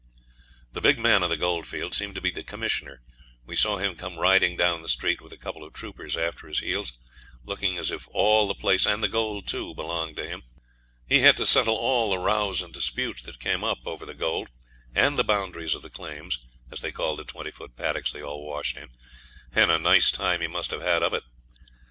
The big man of the goldfield seemed to be the Commissioner. We saw him come riding down the street with a couple of troopers after his heels, looking as if all the place, and the gold too, belonged to him. He had to settle all the rows and disputes that came up over the gold, and the boundaries of the claims, as they called the twenty foot paddocks they all washed in, and a nice time he must have had of it!